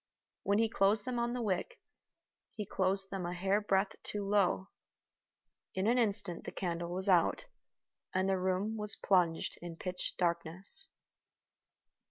When he closed them on the wick, he closed them a hair breadth too low. In an instant the candle was out, and the room was plunged in pitch darkness.